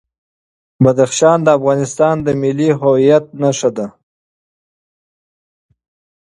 بدخشان د افغانستان د ملي هویت نښه ده.